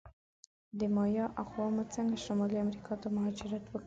د مایا اقوامو څنګه شمالي امریکا ته مهاجرت وکړ؟